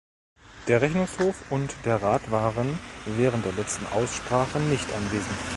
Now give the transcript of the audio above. Der Rechnungshof und der Rat waren während der letzten Aussprachen nicht anwesend.